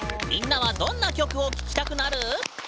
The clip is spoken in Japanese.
みんなはどんな曲を聴きたくなる？